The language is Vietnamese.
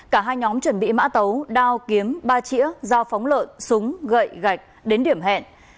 cả hai nhóm chuẩn bị mã tấu đao kiếm ba chĩa dao phóng lợn súng gậy gạch đến điểm hẹn